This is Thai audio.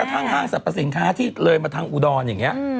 แม้กระทั่งห้างสรรพสินค้าที่เลยมาทางอูดอนอย่างนี้